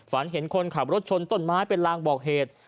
ฝันเห็นคนขับรถชนต้นไม้เป็นลางบอกเหตุ